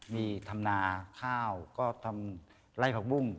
มีทำนาค่าวก็ทำลายผลักบุ้ง